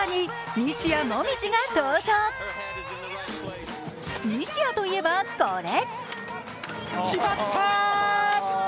西矢といえば、これ。